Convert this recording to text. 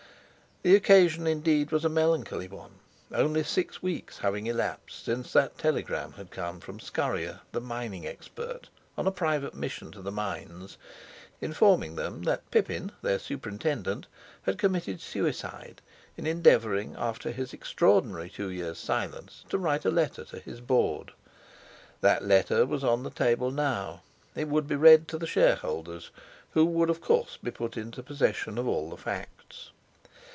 The occasion indeed was a melancholy one, only six weeks having elapsed since that telegram had come from Scorrier, the mining expert, on a private mission to the Mines, informing them that Pippin, their Superintendent, had committed suicide in endeavouring, after his extraordinary two years' silence, to write a letter to his Board. That letter was on the table now; it would be read to the Shareholders, who would of course be put into possession of all the facts.